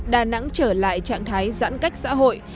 đà nẵng trở lại trạng thái giãn cách xã hội